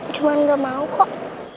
cuma gak mau kok